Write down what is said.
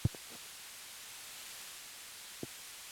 দলে তিনি মূলতঃ বামহাতি মিডিয়াম ফাস্ট বোলাররূপে খেলে থাকেন।